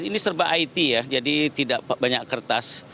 ini serba it ya jadi tidak banyak kertas